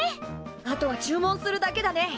あとは注文するだけだね。